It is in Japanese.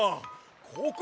ここ！